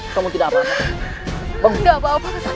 kamu tidak apa apa